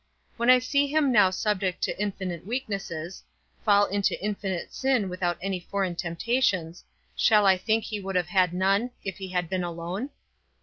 When I see him now subject to infinite weaknesses, fall into infinite sin without any foreign temptations, shall I think he would have had none, if he had been alone?